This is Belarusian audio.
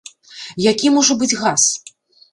Які можа быць газ?